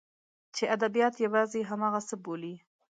چې ادبیات یوازې همغه څه بولي.